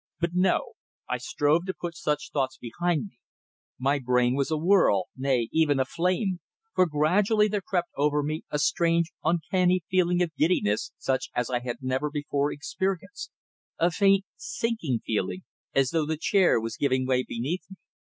But no! I strove to put such thoughts behind me. My brain was awhirl, nay, even aflame, for gradually there crept over me a strange, uncanny feeling of giddiness such as I had never before experienced, a faint, sinking feeling, as though the chair was giving way beneath me.